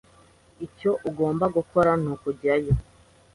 Icyo ugomba gukora nukujyayo.